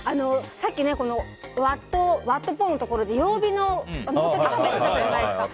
さっきワット・ポーのところで曜日の仏像があったじゃないですか。